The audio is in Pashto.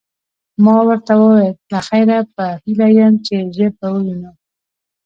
ما ورته وویل: له خیره، په هیله یم چي ژر به ووینو.